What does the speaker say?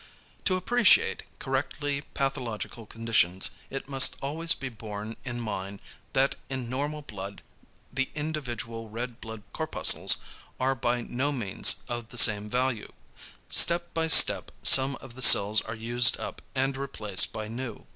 To appreciate correctly pathological conditions, it must always be borne in mind, that in normal blood the individual red blood corpuscles are by no means of the same value. Step by step some of the cells are used up and replaced by new.